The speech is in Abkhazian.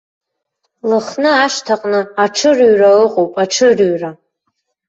Лыхны ашҭаҟны аҽырҩра ыҟоуп, аҽырҩра!